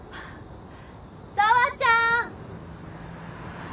紗和ちゃん。